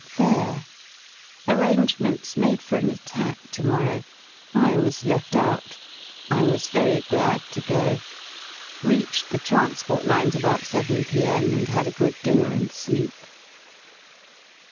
Fair! Arrangements made for an attack to morrow. I was left out. I was very glad to go. Reached the transport lines about 7 p.m. and had a good dinner and sleep.